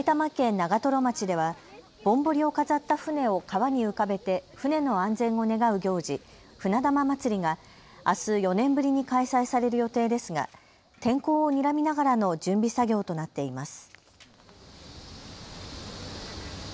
長瀞町ではぼんぼりを飾った船を川に浮かべて船の安全を願う行事、船玉まつりがあす４年ぶりに開催される予定ですが天候をにらみながらの準備作業となっています。